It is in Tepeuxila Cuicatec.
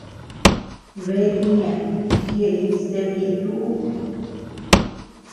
Bea iña chi jeʼey stebe ñeʼe tuʼu.